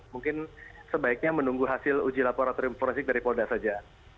mungkin sebaiknya menunggu hasil uji laboratorium forensik dari polda saja